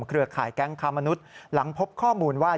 เครือข่ายแก๊งค้ามนุษย์หลังพบข้อมูลว่า